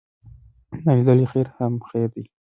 نا لیدلی خیر هم خیر دی.